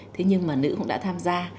thế nhưng mà nữ cũng đã tham gia